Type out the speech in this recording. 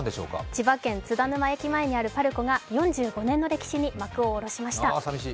千葉県津田沼駅前にあるパルコが４５年の歴史に幕を下ろしました。